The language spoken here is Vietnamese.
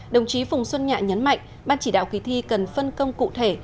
đồng chí phùng xuân nhạ nhấn mạnh ban chỉ đạo kỳ thi cần phân công cụ thể